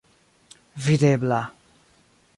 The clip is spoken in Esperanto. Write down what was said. videbla